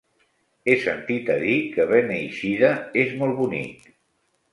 He sentit a dir que Beneixida és molt bonic.